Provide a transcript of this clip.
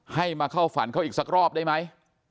ให้มาเข้าฝันเขาอีกสักรอบได้ไหม